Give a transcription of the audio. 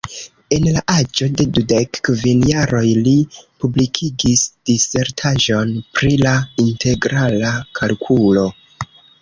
En la aĝo de dudek kvin jaroj li publikigis disertaĵon pri la integrala kalkulo.